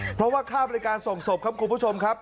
เพราะว่าค่าบริการส่งศพครับคุณผู้ชมครับ